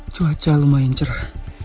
cuaca lumayan cerah